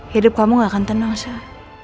hidup kamu gak akan tenang syah